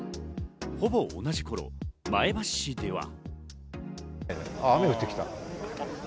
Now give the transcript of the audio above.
ほぼ同じ頃、前橋市では。